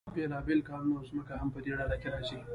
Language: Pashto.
بیلابیل کانونه او ځمکه هم په دې ډله کې راځي.